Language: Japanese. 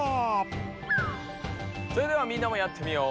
それではみんなもやってみよう。